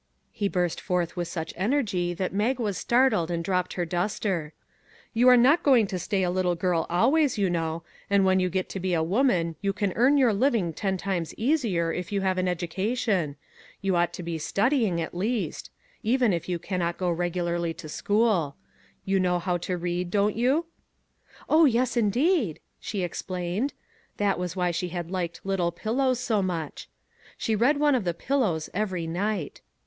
" he burst forth with such energy that Mag was startled and dropped her duster. " You are not going to stay a little girl always, you know ; and when you get to be a woman you can earn your living ten times easier if you have an education. You ought to be studying, at least; even if you can not go regularly to school. You know how to read, don't you ?"" Oh, yes, indeed !" she explained. That was why she had liked " Little Pillows " so much. She read one of the " Pillows " every night.